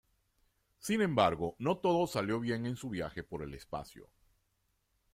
Sin embargo no todo salió bien en su viaje por el espacio.